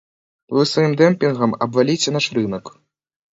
Вы сваім дэмпінгам абваліце наш рынак.